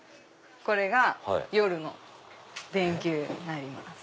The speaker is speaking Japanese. これが夜の電球になります。